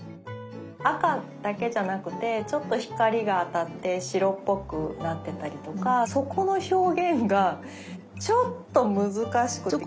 赤だけじゃなくてちょっと光が当たって白っぽくなってたりとかそこの表現がちょっと難しくて。